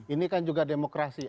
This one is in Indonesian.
ini kan juga demokrasi